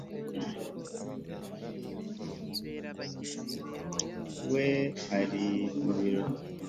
We ari mu biro